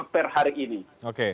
per hari ini oke